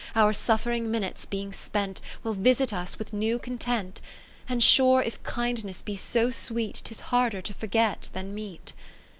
Our suffering minutes being spent. Will visit us with new content. And sure, if kindness be so sweet 'Tis harder to forget than meet.